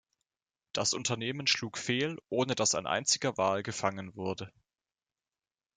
Das Unternehmen schlug fehl, ohne dass ein einziger Wal gefangen wurde.